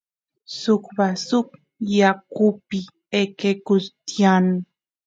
suk vasu yakupi eqequs tiyan